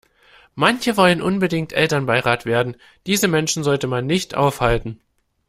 Manche wollen unbedingt Elternbeirat werden, diese Menschen sollte man nicht aufhalten.